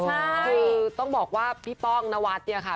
คือต้องบอกว่าพี่ป้องนวัดเนี่ยค่ะ